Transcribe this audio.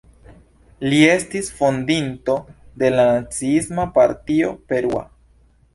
Li estis fondinto de la Naciisma Partio Perua.